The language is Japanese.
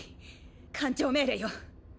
艦長命令よ。